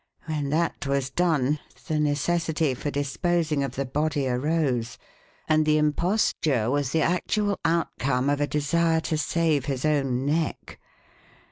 When that was done, the necessity for disposing of the body arose, and the imposture was the actual outcome of a desire to save his own neck.